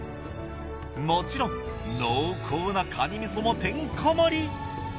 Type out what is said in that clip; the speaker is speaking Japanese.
もちろん濃厚なかにみそもてんこ盛り。